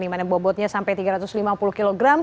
dimana bobotnya sampai tiga ratus lima puluh kg